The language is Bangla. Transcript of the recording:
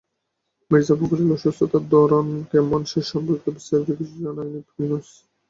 মির্জা ফখরুলের অসুস্থতার ধরন কেমন, সে সম্পর্কে বিস্তারিত কিছু জানাননি ইউনুস।